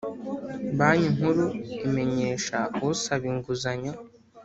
Banki Nkuru imenyesha usaba inguzanyo